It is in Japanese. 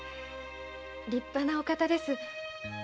立派なお方です。